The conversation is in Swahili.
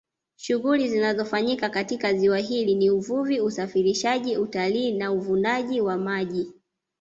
Shughuli zinazofanyika katika ziwa hili ni uvuvi usafirishaji utalii na uvunaji wa maji